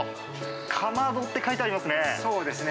かまどって書いてありますね。